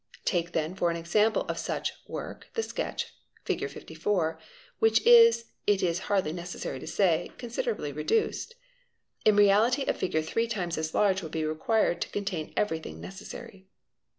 Take then for an example of such work the sketch Fig. 84 which is, it is hardly necessary to say, considerably reduced. In reality a figure three times as large would be required to contain everything necessary.